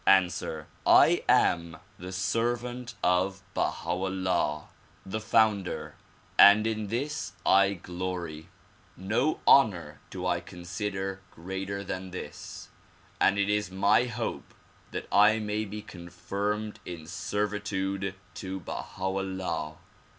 Ansiver: I am the servant of Baha 'Ullah the founder and in this I glor)^ No honor do I consider greater than this and it is my hope that I may be confirmed in servitude to Baha 'Ullah.